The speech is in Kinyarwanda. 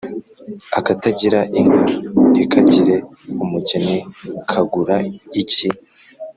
Akatagira inka ntikagire umugeni kagura iki ?